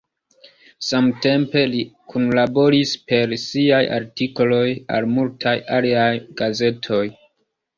Samtempe li kunlaboris per siaj artikoloj al multaj aliaj gazetoj.